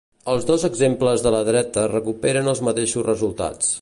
Els dos exemples de la dreta recuperen els mateixos resultats.